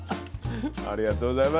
ありがとうございます。